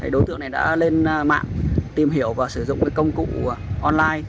đối tượng này đã lên mạng tìm hiểu và sử dụng công cụ online